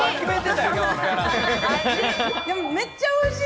でも、めっちゃおいしい！